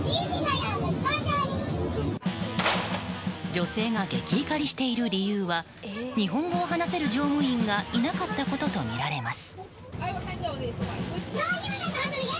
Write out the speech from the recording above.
女性がゲキ怒りしている理由は日本語を話せる乗務員がいなかったこととみられます。